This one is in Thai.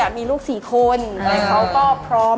การที่บูชาเทพสามองค์มันทำให้ร้านประสบความสำเร็จ